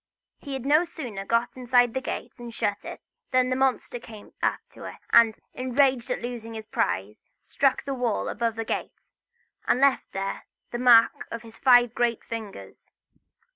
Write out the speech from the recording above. He had no sooner got inside the gate, and shut it, than the monster came up to it; and, enraged at losing his prize, struck the wall above the gate, and left there the mark of his five great fingers.